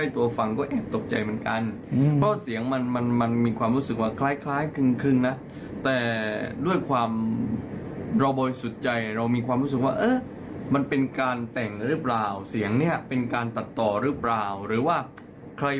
แต่งหรือเปล่าเสียงเนี่ยเป็นการตัดต่อหรือเปล่าหรือว่าใคร